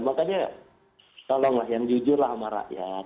makanya tolonglah yang jujur lah sama rakyat